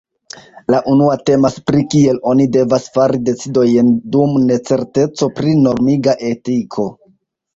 La unua temas pri kiel oni devas fari decidojn dum necerteco pri normiga etiko.